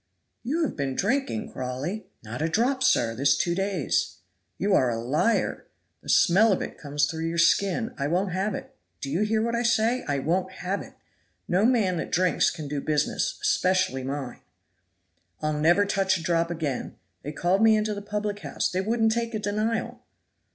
"You have been drinking, Crawley!" "Not a drop, sir, this two days." "You are a liar! The smell of it comes through your skin. I won't have it. Do you hear what I say? I won't have it. No man that drinks can do business especially mine." "I'll never touch a drop again. They called me into the public house they wouldn't take a denial."